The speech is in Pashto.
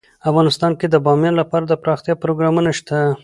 افغانستان کې د بامیان لپاره دپرمختیا پروګرامونه شته.